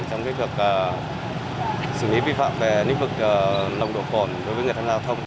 trong việc xử lý vi phạm về lòng độ phổn đối với người thân giao thông